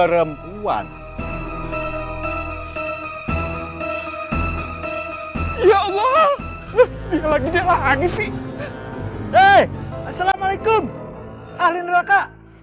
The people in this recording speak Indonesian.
perempuan ya allah dia lagi dialah lagi sih deh assalamualaikum ahli neraka